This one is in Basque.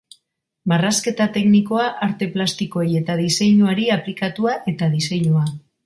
Marrazketa Teknikoa Arte Plastikoei eta Diseinuari Aplikatua eta Diseinua.